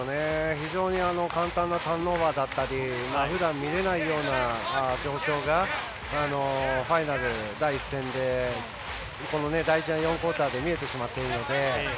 非常に簡単なターンオーバーだったりふだん、見れないような状況がファイナル第１戦で大事な４クオーターで見えてしまっているので。